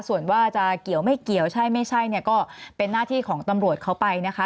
ส่วนว่าจะเกี่ยวไม่เกี่ยวใช่ไม่ใช่เนี่ยก็เป็นหน้าที่ของตำรวจเขาไปนะคะ